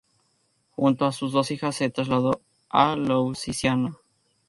Junto a sus dos hijas se trasladó a Louisiana.